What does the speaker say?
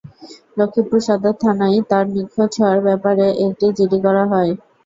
লক্ষ্মীপুর সদর থানায় তাঁর নিখোঁজ হওয়ার ব্যাপারে একটি জিডি করা হয়।